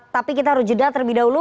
tapi kita harus jeda terlebih dahulu